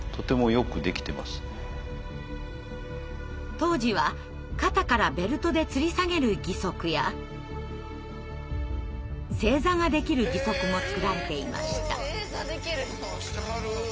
当時は肩からベルトでつり下げる義足や正座ができる義足も作られていました。